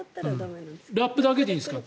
ラップだけでいいんですか